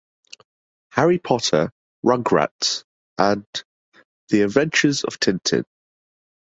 "Harry Potter", "Rugrats', and "The Adventures of Tintin".